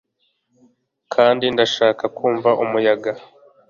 kandi ndashaka kumva umuyaga